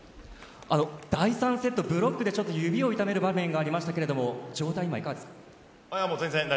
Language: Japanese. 第３セット、ブロックで指を痛める場面がありましたが状態は今、いかがですか？